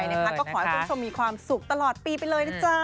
ก็ขอให้คุณผู้ชมมีความสุขตลอดปีไปเลยนะจ๊ะ